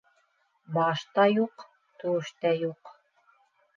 Баш та юҡ, түш тә юҡ.